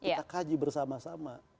kita kaji bersama sama